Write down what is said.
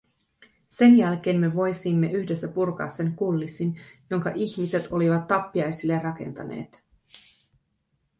Sen jälkeen me voisimme yhdessä purkaa sen kulissin, jonka ihmiset olivat tappiaisille rakentaneet.